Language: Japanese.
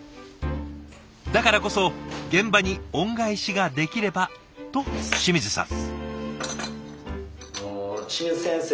だからこそ「現場に恩返しができれば」と清水さん。